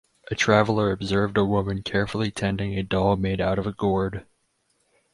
A traveller observed a woman carefully tending a doll made out of a gourd.